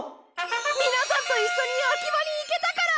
皆さんと一緒にアキバに行けたから！！